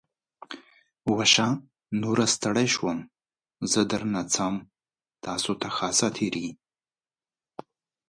وشه. نوره ستړی شوم. زه درنه څم. تاسو ته ښه ساعتېری!